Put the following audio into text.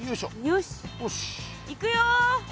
よしいくよ。